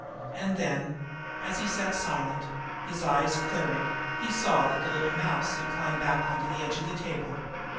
And then, as he sat silent, his eyes clearing, he saw that the little mouse had climbed back to the edge of the table.